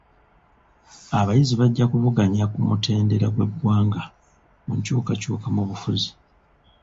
Abayizi bajja kuvuganya ku mutendera gw'eggwanga ku nkyukakyuka mu bufuzi.